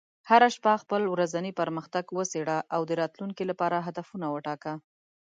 هره شپه خپل ورځنی پرمختګ وڅېړه، او د راتلونکي لپاره هدفونه وټاکه.